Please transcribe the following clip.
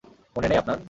মনে নেই আপনার?